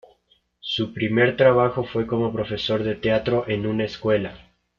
Su primer trabajo fue como profesor de teatro en una escuela.